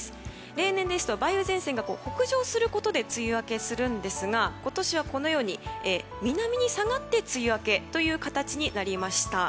例年ですと梅雨前線が北上することで梅雨明けするんですが今年は、このように南に下がって梅雨明けという形になりました。